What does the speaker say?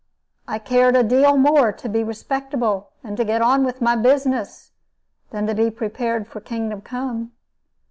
I cared a deal more to be respectable and get on with my business than to be prepared for kingdom come.